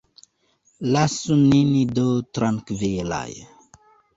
Lasu nin do trankvilaj.